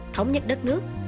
thống nhất đất nước